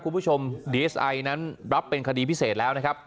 คุณผู้ชมดีเอสไอนั้นรับเป็นคดีพิเศษแล้วนะครับ